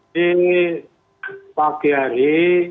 di pagi hari